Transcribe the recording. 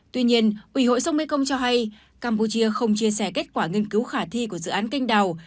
tuy nhiên ủy hội sông mekong cho hay campuchia không chia sẻ kết quả nghiên cứu khả thi của dự án canh đào